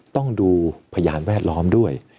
ต้องดูพยานแวดล้อมด้วย